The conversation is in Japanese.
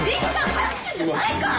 拍手じゃないから！